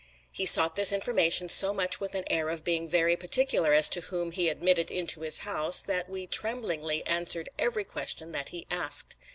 He sought this information so much with an air of being very particular as to whom he admitted into his house that we tremblingly answered every question that he asked.